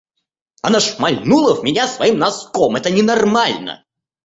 Она шмальнула в меня своим носком, это ненормально!